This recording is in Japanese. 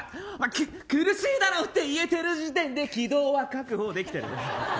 苦しいだろうって言えてる時点で気道は確保できてる。